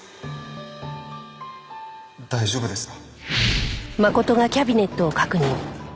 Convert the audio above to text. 大丈夫ですか？